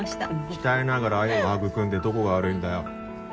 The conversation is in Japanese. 鍛えながら愛を育んでどこが悪いんだよ。